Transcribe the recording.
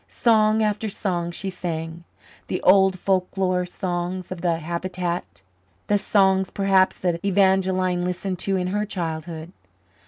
Song after song she sang the old folklore songs of the habitant, the songs perhaps that Evangeline listened to in her childhood.